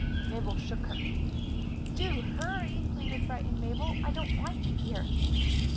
Mabel shook her. "Do hurry," pleaded frightened Mabel. "I don't like it here."